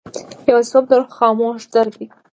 یوازیتوب د روح خاموش درد دی.